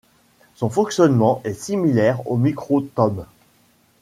Son fonctionnement est similaire au microtome.